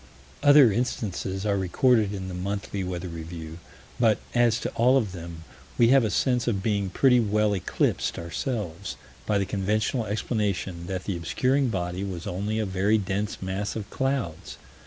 Other instances are recorded in the Monthly Weather Review, but, as to all of them, we have a sense of being pretty well eclipsed, ourselves, by the conventional explanation that the obscuring body was only a very dense mass of clouds.